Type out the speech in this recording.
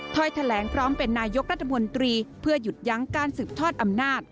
แถลงพร้อมเป็นนายกรัฐมนตรีเพื่อหยุดยั้งการสืบทอดอำนาจ